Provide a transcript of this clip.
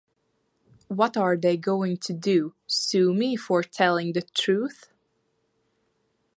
What are they going to do, sue me for telling the truth?